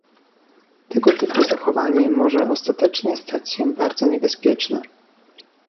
Tego typu zachowanie może ostatecznie stać się bardzo niebezpieczne